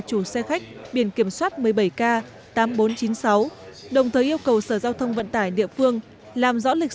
chủ xe khách biển kiểm soát một mươi bảy k tám nghìn bốn trăm chín mươi sáu đồng thời yêu cầu sở giao thông vận tải địa phương làm rõ lịch